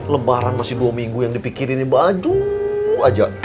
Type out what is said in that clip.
lebaran masih dua minggu yang dipikirin baju aja